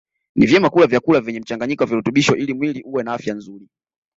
Ni vyema kula vyakula vyenye mchanganyiko wa virutubisho ili mwili uwe na afya nzuri